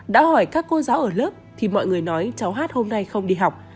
đã hỏi các cô giáo ở lớp thì mọi người nói cháu hát hôm nay không đi học